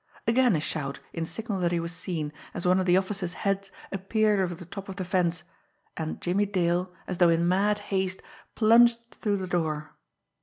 Again a shout in signal that he was seen, as one of the officers' heads appeared over the top of the fence and Jimmie Dale, as though in mad haste, plunged through the door.